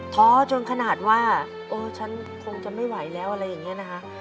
ท้อจนขนาดว่าเออฉันคงจะไม่ไหวแล้วอะไรอย่างนี้นะคะ